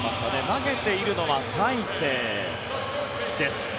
投げているのは大勢です。